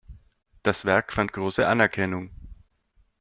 Das Werk fand große Anerkennung.